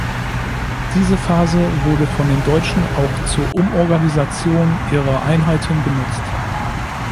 Diese Phase wurde von den Deutschen auch zur Umorganisation ihrer Einheiten genutzt.